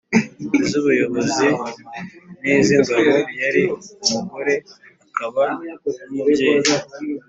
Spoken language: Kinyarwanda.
iz ubuyobozi n iz ingabo Yari umugore akaba n umubyeyi